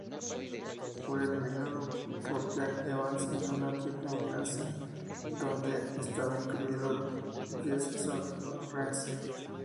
Fue eliminado por Jack Evans en una triple amenaza donde estaba incluido Jesse Sorensen.